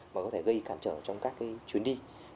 mà có thể gây cản trở trong các chuyến đi